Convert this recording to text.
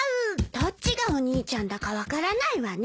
どっちがお兄ちゃんだか分からないわね。